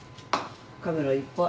カメラいっぱい。